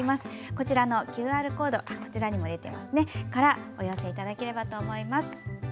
こちらのＱＲコードからお寄せいただければと思います。